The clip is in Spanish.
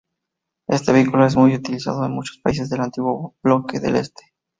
Este vehículo es muy utilizado en muchos países del antiguo Bloque del Este